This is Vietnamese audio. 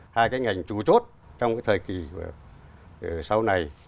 hai cái ngành chủ chốt trong cái thời kỳ sau này